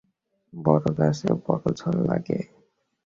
বড় গাছেই বড় ঝড় লাগে।